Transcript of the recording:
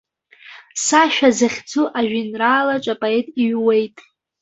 Сашәа захьӡу ажәеинраалаҿ апоет иҩуеит.